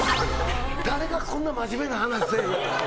誰がこんな真面目な話せえって。